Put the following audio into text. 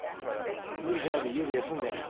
無理しないで家で休んでなよ。